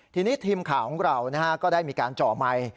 ทีนี้ทีมข่าวของเราก็ได้มีการเจาะไมค์